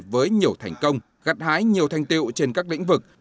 với nhiều thành công gắt hái nhiều thanh tiệu trên các lĩnh vực